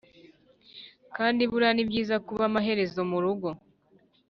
kandi burya nibyiza kuba amaherezo murugo.